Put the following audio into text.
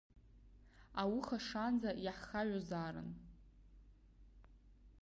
Ауха шаанӡа иаҳхаҩозаарын.